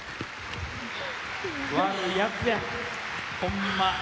悪いヤツやホンマ。